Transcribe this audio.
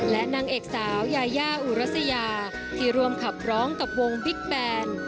และนางเอกสาวยายาอุรัสยาที่ร่วมขับร้องกับวงบิ๊กแบน